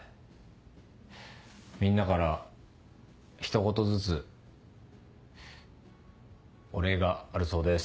みんなからひと言ずつお礼があるそうです。